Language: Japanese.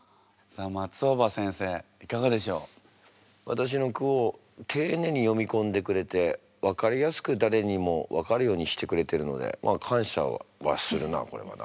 私の句を丁寧に詠み込んでくれてわかりやすく誰にもわかるようにしてくれてるのでまあ感謝はするなこれはな。